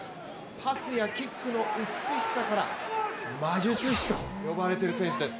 パスやキックの美しさから魔術師と呼ばれている選手です。